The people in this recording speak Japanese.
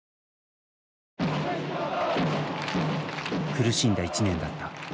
苦しんだ１年だった。